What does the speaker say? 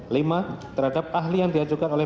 lima terhadap ahli yang diajukan oleh